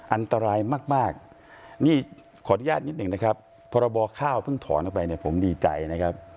อันตรายมากนี่ขออนุญาตนิดหนึ่งนะครับพรบข้าวเพิ่งถอนออกไปเนี่ยผมดีใจนะครับ